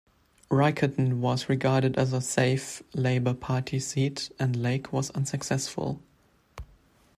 Riccarton was regarded as a "safe" Labour Party seat, and Lake was unsuccessful.